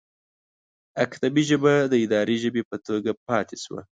اکدي ژبه د اداري ژبې په توګه پاتې شوه.